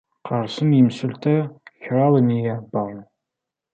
Qersen yimsulta kraḍ n yiɛbaṛen.